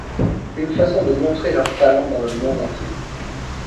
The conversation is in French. Une façon de montrer leur talent dans le monde entier.